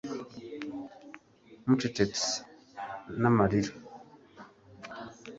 mucecetse n'amarira